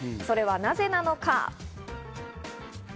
それはなぜなのか？